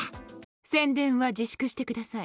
宣伝は自粛して下さい。